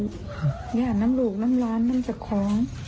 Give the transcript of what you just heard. แม่ยามน้ำหลูกน้ำร้านน้ำจากของ